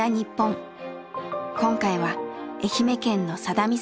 今回は愛媛県の佐田岬。